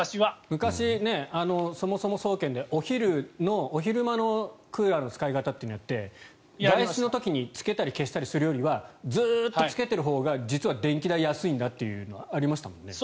昔、そもそも総研でお昼間のクーラーの使い方というのをやって外出の時につけたり消したりするよりはずっとつけているほうが実は電気代安いというのがありましたもんね。